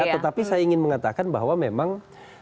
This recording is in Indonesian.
tetapi saya ingin mengatakan bahwa memang